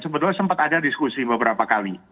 sebetulnya sempat ada diskusi beberapa kali